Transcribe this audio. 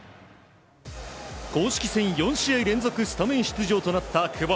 公式戦４試合連続スタメン出場となった久保。